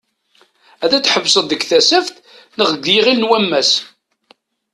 Ad teḥbes deg Tasaft neɣ deg Iɣil n wammas?